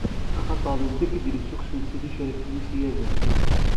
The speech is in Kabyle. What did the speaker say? Axaṭer d netta i k-id-issukksen si tcerket n yiseyyaden.